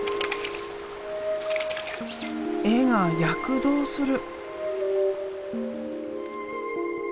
絵が躍動する。